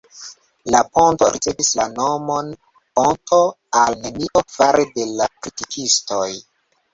La ponto ricevis la nomon "Ponto al nenio" fare de la kritikistoj.